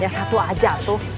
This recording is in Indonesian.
ya satu aja atu